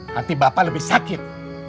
hati bapak lebih sakit